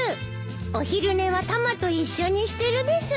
お昼寝はタマと一緒にしてるです。